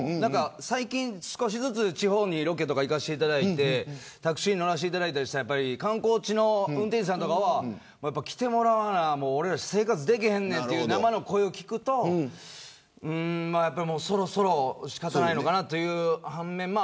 最近、少しずつ地方にロケとか行かせていただいてタクシーに乗らせていただいたりして観光地の運転手さんとかは来てもらわな俺ら生活できへんねんという生の声を聞くとそろそろ仕方ないのかなという反面も。